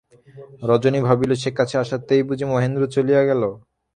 রজনী ভাবিল সে কাছে আসাতেই বুঝি মহেন্দ্র চলিয়া গেল।